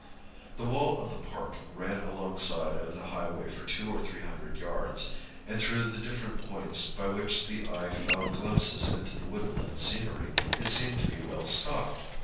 The wall of the park ran alongside of the highway for two or three hundred yards; and through the different points by which the eye found glimpses into the woodland scenery, it seemed to be well stocked.